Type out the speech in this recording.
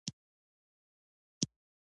دا ولایتونه د کورنیو د دودونو مهم عنصر دی.